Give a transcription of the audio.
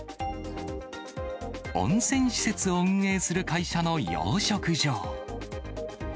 温泉施設を運営する会社の養殖場。